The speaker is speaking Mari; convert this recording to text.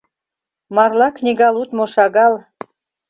— Марла книга лудмо шагал.